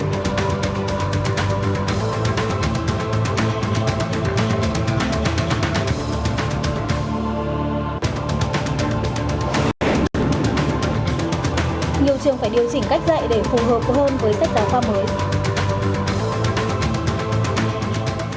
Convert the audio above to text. nhiều trường phải điều chỉnh cách dạy để phù hợp hơn với sách giáo khoa mới